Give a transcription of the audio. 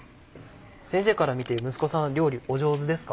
先生から見て息子さん料理お上手ですか？